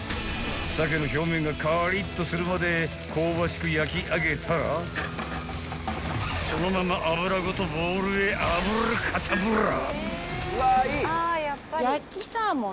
［サケの表面がカリッとするまで香ばしく焼き上げたらそのまま油ごとボウルへアブラカタブラ］